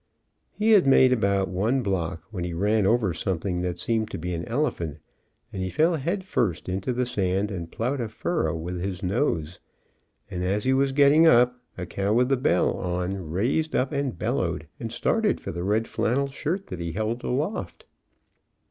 He had made about one block when he ran over something that seemed to be an elephant, and he fell headfirst into the sand and plowed a furrow with his nose, and as he was getting up a cow with a bell on raised up and bellowed and started for the red flannel shirt that he held aloft.